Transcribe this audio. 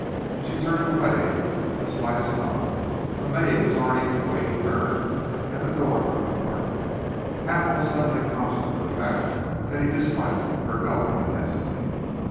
She turned away with the slightest nod. A maid was already awaiting her at the door of the compartment. Hamel was suddenly conscious of the fact that he disliked her going immensely.